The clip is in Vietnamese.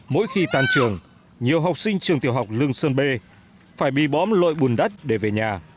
mỗi khi tan trường nhiều học sinh trường tiểu học lương sơn b phải bị bóm lội bùn đất để về nhà